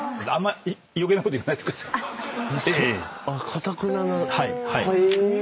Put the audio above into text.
かたくななへぇ。